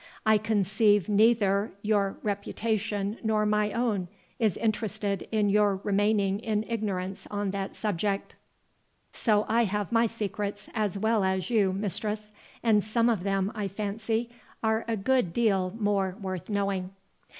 I conceive neither your reputation nor my own is interested in your remaining in ignorance on that subject. So I have my secrets as well as you, mistress; and some of them, I fancy, are a good deal more worth knowing."